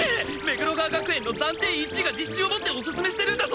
目黒川学園の暫定１位が自信を持っておすすめしてるんだぞ！？